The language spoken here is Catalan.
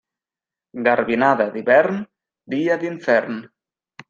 Garbinada d'hivern, dia d'infern.